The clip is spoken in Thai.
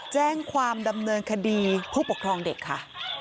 แจ้งความดำเนินคดีผู้ปกครองเด็กค่ะ